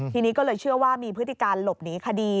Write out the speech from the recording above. ทีนี้ก็เลยเชื่อว่ามีพฤติการหลบหนีคดี